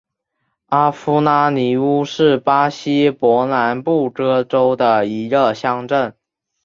阿夫拉尼乌是巴西伯南布哥州的一个市镇。